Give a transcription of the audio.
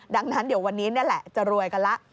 ดังนั้นเดี๋ยววันนี้นี่แหละจะรวยกันแล้ว